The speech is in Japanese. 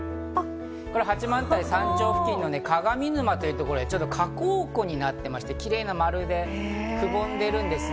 八幡平山頂付近の鏡沼というところで、火口湖になってまして、窪んでるんですね。